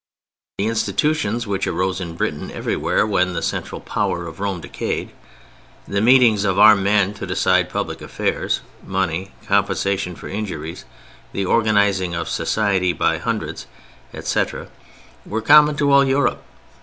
The institutions which arose in Britain everywhere when the central power of Rome decayed—the meetings of armed men to decide public affairs, money compensation for injuries, the organizing of society by "hundreds," etc., were common to all Europe.